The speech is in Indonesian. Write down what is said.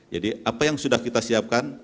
jadi apa yang sudah kita siapkan